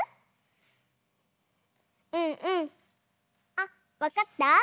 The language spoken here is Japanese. あわかった？